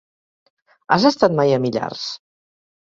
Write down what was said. Has estat mai a Millars?